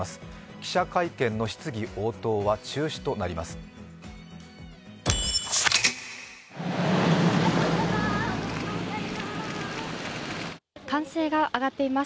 記者会見の質疑応答は中止となります。